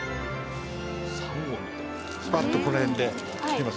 スパッとこの辺で切ります。